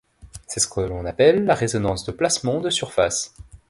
C'est ce que l'on appelle la Résonance de Plasmons de Surface.